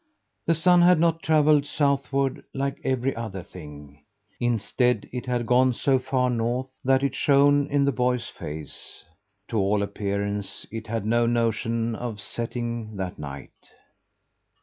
The sun had not travelled southward, like every other thing. Instead, it had gone so far north that it shone in the boy's face. To all appearance, it had no notion of setting that night.